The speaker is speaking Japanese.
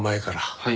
はい。